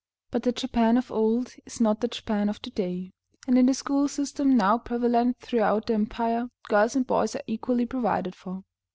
But the Japan of old is not the Japan of to day, and in the school system now prevalent throughout the empire girls and boys are equally provided for.